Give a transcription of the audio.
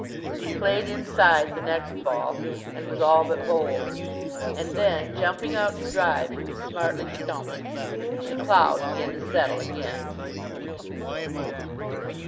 He played inside the next ball, and was all but bowled: and then, jumping out to drive, he was smartly stumped. The cloud began to settle again.